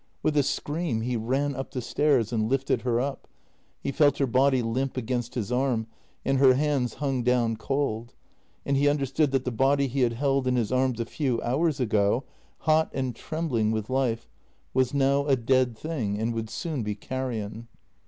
With a scream he ran up the stairs and lifted her up. He felt her body limp against his arm and her hands hung down cold — and he understood that the body he had held in his arms a few hours ago, hot and trembling with life, was now a dead thing, and would soon be carrion.